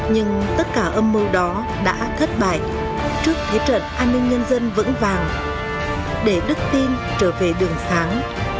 nhưng tất cả âm mưu đó đã thất bại trước thế trận an ninh nhân dân vững vàng để đức tin trở về đường sáng